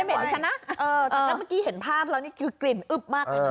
แต่เมื่อกี้เห็นภาพแล้วนี่กลิ่นอึบมาก